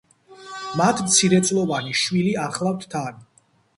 მათ მცირეწლოვანი შვილი ახლავთ თან.